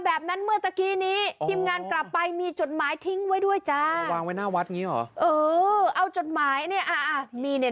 วางไว้หน้าวัดนี้หอ